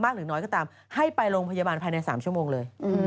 หรือน้อยก็ตามให้ไปโรงพยาบาลภายใน๓ชั่วโมงเลย